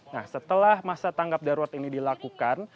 nah setelah masa tanggap darurat ini dilakukan